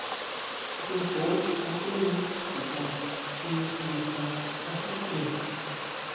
Yojo antena chuta xi ndija kasikʼien.